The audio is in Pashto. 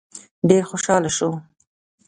ډېر خوشحاله شو.